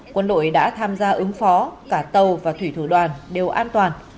quân đội đã tham gia ứng phó cả tàu và thủy thủ đoàn đều an toàn